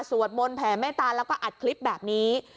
สวดมนต์แผ่เมตตาแล้วก็อัดคลิปแบบนี้